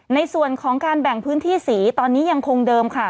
ในส่วนของการแบ่งพื้นที่สีตอนนี้ยังคงเดิมค่ะ